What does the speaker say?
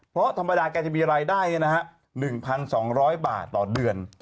เพราะธรรมดาแกจะมีรายได้๑๒๐๐บาทต่อเดือน